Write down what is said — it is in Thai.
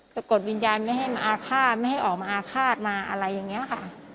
กดวิญญาณไม่ให้มาอาฆาตไม่ให้ออกมาอาฆาตมาอะไรอย่างนี้ค่ะ